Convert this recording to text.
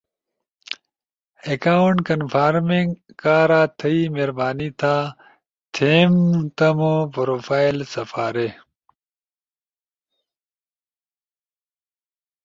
اکاونٹ کنفارمنگ کارا تھئی مہربانی تھا، تھیم تمو پروفائل سپاری۔